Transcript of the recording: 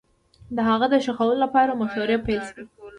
د هغه د ښخولو لپاره مشورې پيل سوې